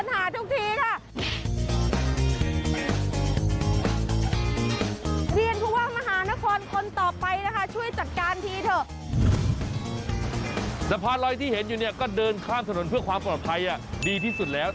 สะพานลอยที่เห็นอยู่เนี่ยก็เดินข้ามถนนเพื่อความปลอดภัยดีที่สุดแล้ว